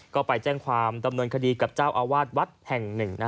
ก็ไปแจ้งความดำเนินคดีกับเจ้าอาวาสวัดแห่งหนึ่ง